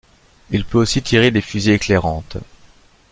Il peut aussi tirer des fusées éclairantes.